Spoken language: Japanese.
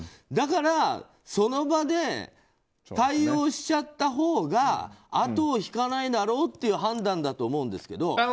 だからその場で対応しちゃったほうが後を引かないだろうっていう判断だと思うんですけど。